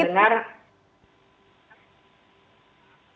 dan tidak mendengar